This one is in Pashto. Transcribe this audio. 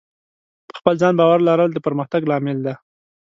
په خپل ځان باور لرل د پرمختګ لامل دی.